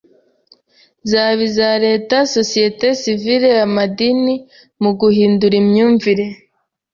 zaba iza Leta, sosiyete sivile, amadini, mu guhindura imyumvire